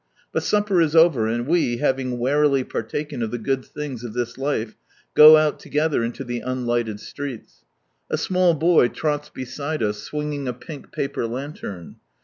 But supper is over, and we, having warily partaken of the good things of this life, go out together into the unlighted streets. A small boy trots beside us swing ing a pink paper lantern.